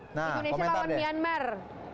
indonesia lawan myanmar